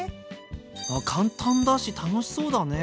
あ簡単だし楽しそうだね。